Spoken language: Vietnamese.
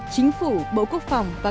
chính phủ bộ quốc phòng bộ tư lệnh thủ đô